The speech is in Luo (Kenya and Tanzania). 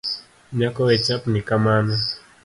Nyako wechapni kamano